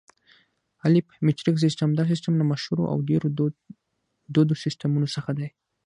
الف: مټریک سیسټم: دا سیسټم له مشهورو او ډېرو دودو سیسټمونو څخه دی.